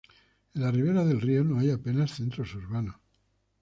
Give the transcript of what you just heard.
En las riberas del río no hay apenas centros urbanos.